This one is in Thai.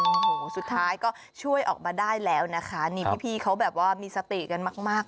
โอ้โหสุดท้ายก็ช่วยออกมาได้แล้วนะคะนี่พี่เขาแบบว่ามีสติกันมากมาก